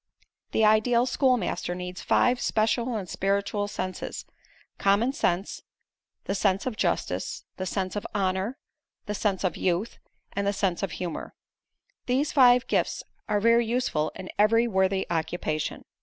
"The ideal schoolmaster needs five special and spiritual senses: common sense, the sense of justice, the sense of honor, the sense of youth and the sense of humor. These five gifts are very useful in every worthy occupation.